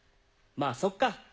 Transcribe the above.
まあ、そっか。